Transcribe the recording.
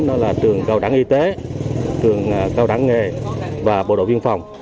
đó là trường cao đẳng y tế trường cao đẳng nghề và bộ đội biên phòng